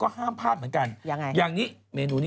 จากกระแสของละครกรุเปสันนิวาสนะฮะ